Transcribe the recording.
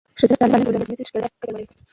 ښځینه تعلیم د ټولنیزې ښکیلتیا کچه لوړوي.